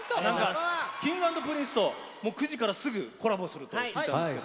Ｋｉｎｇ＆Ｐｒｉｎｃｅと９時から、すぐコラボすると聞いたんですけど。